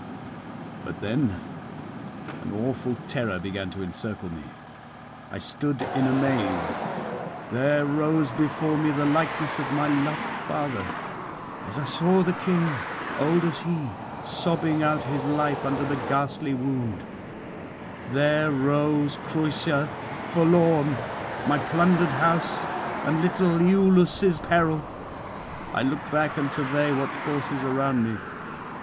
'But then an awful terror began to encircle me; I stood in amaze; there rose before me the likeness of my loved father, as I saw the king, old as he, sobbing out his life under the ghastly wound; there rose Creüsa forlorn, my plundered house, and little Iülus' peril. I look back [564 596]and survey what force is around me.